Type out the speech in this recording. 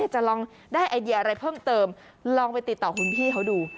จะลองได้ไอเดียอะไรเพิ่มเติมลองไปติดต่อคุณพี่เขาดู